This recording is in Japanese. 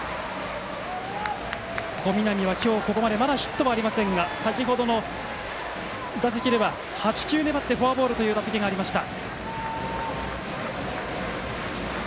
小南は、ここまではヒットはありませんが先程、８球粘ってフォアボールという打席がありました。